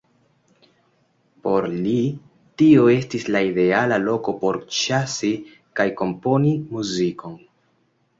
Por li tio estis la ideala loko por ĉasi kaj komponi muzikon.